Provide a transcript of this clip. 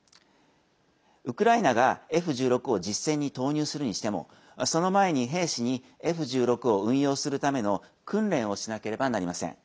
ウクライナがＦ１６を実戦に投入するにしてもその前に、兵士にＦ１６を運用するための訓練をしなければなりません。